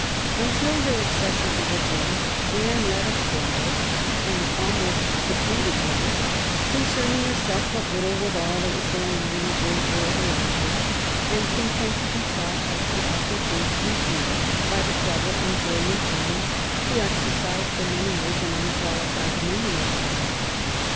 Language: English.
Until her accession to the throne Anne led a quiet and almost secluded life, concerning herself but little with all that was going on in the great world around her, and content to be taught how she ought to think and feel by the clever and brilliant woman who exercised for many years an unqualified dominion over her.